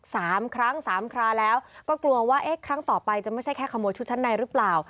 สามครั้งสามคราแล้วก็กลัวว่าเอ๊ะครั้งต่อไปจะไม่ใช่แค่ขโมยชุดชั้นในหรือเปล่า